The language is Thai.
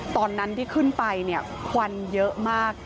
ตอนนั้นที่ขึ้นไปเนี่ยควันเยอะมาก